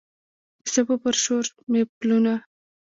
د څپو پر شور مې پلونه